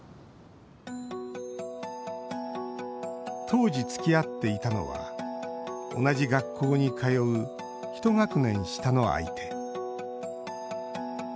当時、つきあっていたのは同じ学校に通う１学年下の相手。